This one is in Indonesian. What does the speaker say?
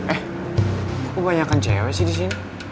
eh kok banyak kan cewek sih disini